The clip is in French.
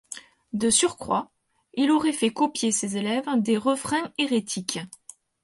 De surcroît, il aurait fait copier ses élèves des refrains hérétiques.